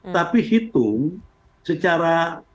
tapi hitung secara